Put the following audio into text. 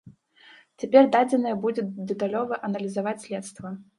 Цяпер дадзеныя будзе дэталёва аналізаваць следства.